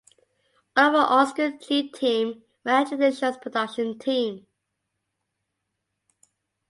All of the on-screen G-Team were actually the show's production team.